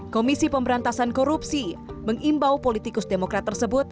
komisi pemberantasan korupsi mengimbau politikus demokrat tersebut